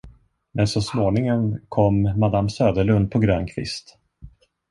Men så småningom kom madam Söderlund på grön kvist.